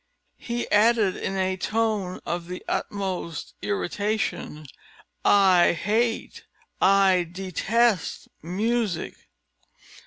He added in a tone of the utmost irritation: "I hate I detest music!"